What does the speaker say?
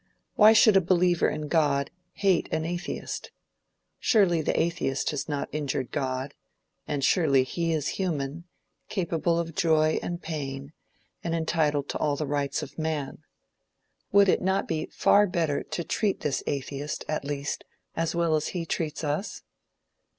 Why should a believer in God hate an atheist? Surely the atheist has not injured God, and surely he is human, capable of joy and pain, and entitled to all the rights of man. Would it not be far better to treat this atheist, at least, as well as he treats us?